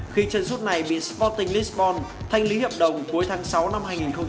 khi chân rút này bị sporting lisbon thanh lý hợp đồng cuối tháng sáu năm hai nghìn một mươi chín